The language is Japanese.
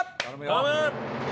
頼む！